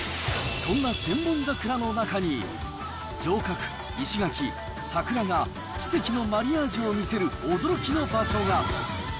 そんな千本桜の中に、城郭、石垣、桜が、奇跡のマリアージュを見せる驚きの場所が。